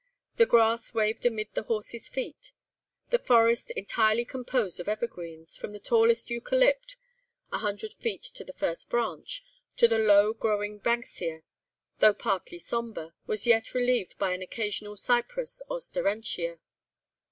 The grass waved amid their horses' feet. The forest, entirely composed of evergreens, from the tallest eucalypt, a hundred feet to the first branch, to the low growing banksia, though partly sombre, was yet relieved by an occasional cypress, or sterentia.